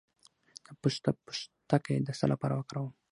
د پسته پوستکی د څه لپاره وکاروم؟